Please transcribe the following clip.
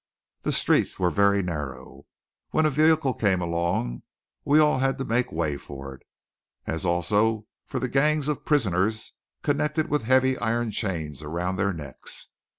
The streets were very narrow. When a vehicle came along, we all had to make way for it; as also for the gangs of prisoners connected with heavy iron chains around their necks.